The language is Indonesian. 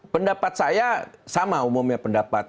pendapat saya sama umumnya pendapat